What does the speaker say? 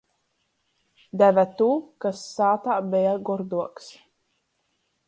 Deve tū, kas sātā beja gorduoks.